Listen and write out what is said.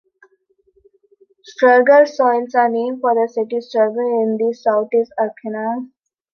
Stuttgart soils are named for the City of Stuttgart in southeast Arkansas.